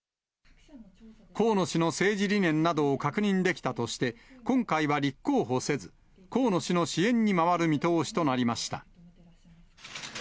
河野氏の政治理念などを確認できたとして、今回は立候補せず、河野氏の支援に回る見通しとなりました。